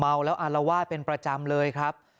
เมาแล้วอารวาสเป็นประจำเลยครับ